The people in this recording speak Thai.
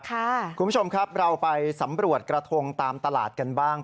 คุณผู้ชมครับเราไปสำรวจกระทงตามตลาดกันบ้าง